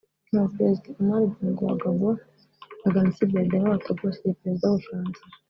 Abaperezida Omar Bongo wa Gabon na Gnassingbé Eyadéma wa Togo bashyigikiye Perezida w’u Bufaransa